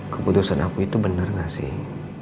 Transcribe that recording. keputusan aku itu benar gak sih